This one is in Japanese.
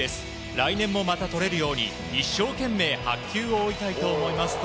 来年もまたとれるように一生懸命白球を追いたいと思いますと